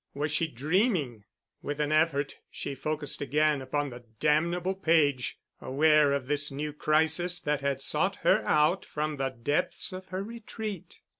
Was she dreaming? With an effort, she focused again upon the damnable page, aware of this new crisis that had sought her out from the depths of her retreat.